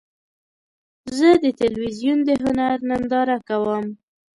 زه د تلویزیون د هنر ننداره کوم.